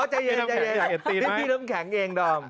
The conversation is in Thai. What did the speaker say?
ใจเย็นพี่น้ำแข็งเองดอม